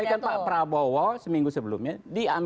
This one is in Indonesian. itu disampaikan pak prabowo seminggu sebelumnya